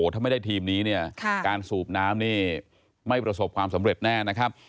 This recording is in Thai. ถ้าไม่ได้ทีมนี้เนี่ยการสูบน้ำนี่ไม่ประสบความสำเร็จแน่นะครับ